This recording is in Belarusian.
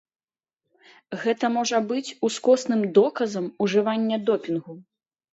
Гэта можа быць ускосным доказам ужывання допінгу.